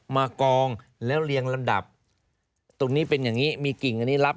มากองแล้วเรียงลำดับตรงนี้เป็นอย่างนี้มีกิ่งอันนี้รับ